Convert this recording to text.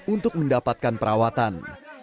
untuk mendapatkan perawatan